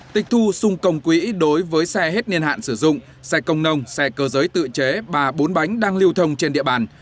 tịch thu xung công quỹ đối với xe hết niên hạn sử dụng xe công nông xe cơ giới tự chế bà bốn bánh đang lưu thông trên địa bàn